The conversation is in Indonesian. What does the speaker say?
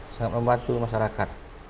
sangat membantu masyarakat